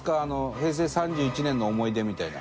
平成３１年の思い出みたいな。